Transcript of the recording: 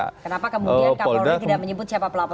kenapa kemudian kapolri tidak menyebut siapa pelapornya